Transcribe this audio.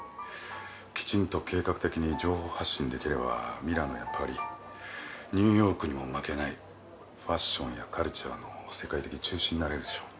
きちんと計画的に情報発信できればミラノやパリニューヨークにも負けないファッションやカルチャーの世界的中心になれるでしょう。